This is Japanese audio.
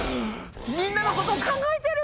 みんなのことを考えてる！